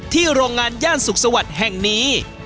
ที่โรงงานย่านศุกรสวรรค์แห่งนี้